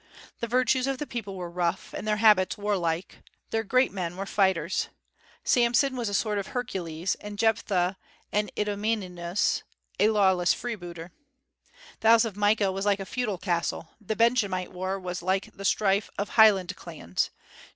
The virtues of the people were rough, and their habits warlike. Their great men were fighters. Samson was a sort of Hercules, and Jephthah an Idomeneus, a lawless freebooter. The house of Micah was like a feudal castle; the Benjamite war was like the strife of Highland clans.